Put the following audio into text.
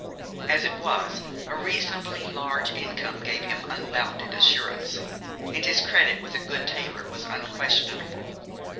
As it was, a reasonably large income gave him unbounded assurance, and his credit with a good tailor was unquestionable.